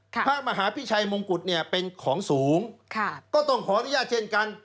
พระมหาพิชัยมงกุฎเนี่ยเป็นของสูงค่ะก็ต้องขออนุญาตเช่นกัน